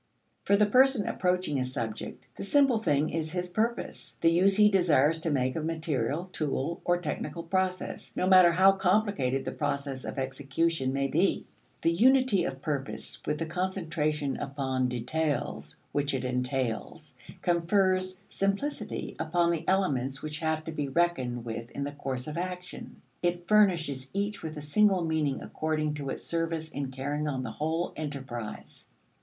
For the person approaching a subject, the simple thing is his purpose the use he desires to make of material, tool, or technical process, no matter how complicated the process of execution may be. The unity of the purpose, with the concentration upon details which it entails, confers simplicity upon the elements which have to be reckoned with in the course of action. It furnishes each with a single meaning according to its service in carrying on the whole enterprise.